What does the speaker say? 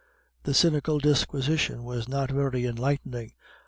This cynical disquisition was not very enlightening.